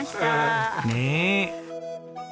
ねえ。